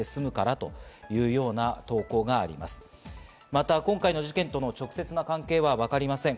また今回の事件との直接の関係はわかりません。